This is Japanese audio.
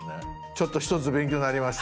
ちょっと一つ勉強になりました。